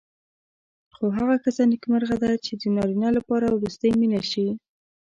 خو هغه ښځه نېکمرغه ده چې د نارینه لپاره وروستۍ مینه شي.